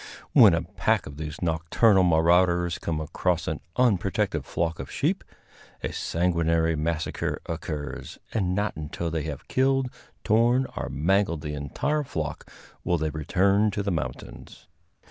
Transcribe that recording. When a pack of these nocturnal marauders come across an unprotected flock of sheep, a sanguinary massacre occurs, and not until they have killed, torn or mangled the entire flock will they return to the mountains.